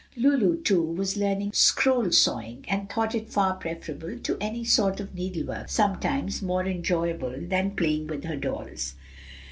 Lulu, too, was learning scroll sawing, and thought it far preferable to any sort of needle work; sometimes more enjoyable than playing with her dolls.